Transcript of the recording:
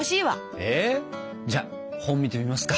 えっ？じゃあ本見てみますか？